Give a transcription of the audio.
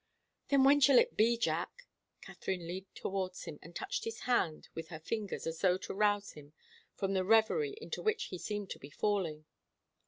"Then when shall it be, Jack?" Katharine leaned towards him and touched his hand with her fingers as though to rouse him from the reverie into which he seemed to be falling.